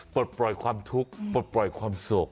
ปลดปล่อยความทุกข์ปลดปล่อยความโศก